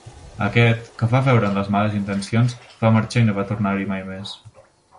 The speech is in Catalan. Aquest, que va veure'n les males intencions, va marxar i no va tornar-hi mai més.